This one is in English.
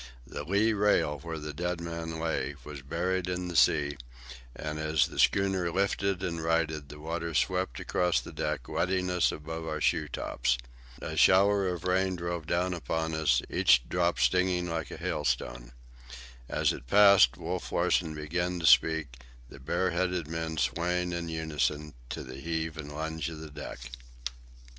The lee rail, where the dead man lay, was buried in the sea, and as the schooner lifted and righted the water swept across the deck wetting us above our shoe tops. A shower of rain drove down upon us, each drop stinging like a hailstone. As it passed, Wolf Larsen began to speak, the bare headed men swaying in unison, to the heave and lunge of the deck.